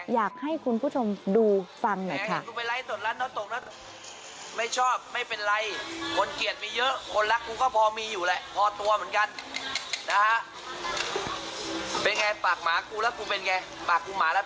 อยากให้คุณผู้ชมดูฟังหน่อยค่ะ